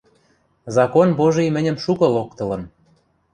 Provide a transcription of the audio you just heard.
«Закон божий» мӹньӹм шукы локтылын.